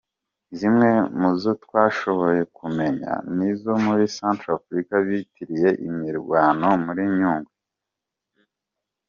Zimwe muzo twashoboye kumenya nizo muri Centre Afrika, bitiriye imirwano muri Nyungwe.